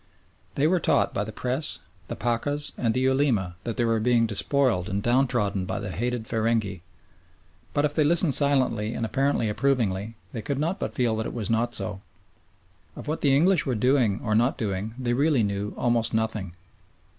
They were taught by the Press, the Pachas, and the Ulema that they were being despoiled and downtrodden by the hated feringhee, but if they listened silently and apparently approvingly, they could not but feel that it was not so. Of what the English were doing or not doing they really knew almost nothing.